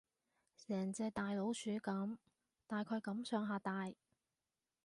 成隻大老鼠噉，大概噉上下大